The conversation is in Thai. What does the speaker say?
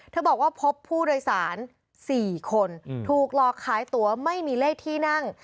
บอกว่าพบผู้โดยสาร๔คนถูกหลอกขายตัวไม่มีเลขที่นั่ง